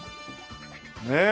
ねえ。